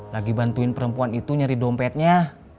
lagi bantuin perempuan itu nyari dompetnya